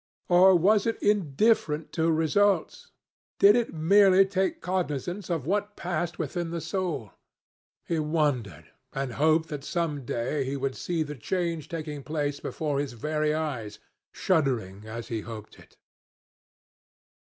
Or was it indifferent to results? Did it merely take cognizance of what passed within the soul? He wondered, and hoped that some day he would see the change taking place before his very eyes, shuddering as he hoped it.